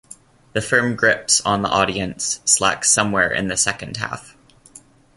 The firm grips on the audience slacks somewhere in the second half.